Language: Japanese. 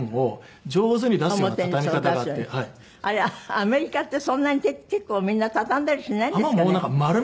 アメリカってそんなに結構みんな畳んだりしないんですかね？